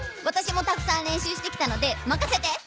わたしもたくさん練習してきたのでまかせて！